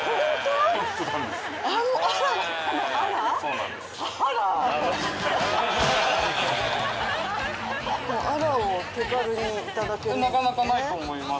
なかなかないと思います。